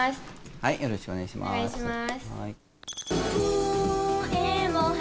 はいよろしくおねがいします。